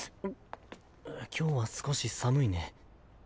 今日は少し寒いね。